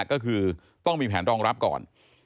ก็คือต้องมีแผนรองรับก่อน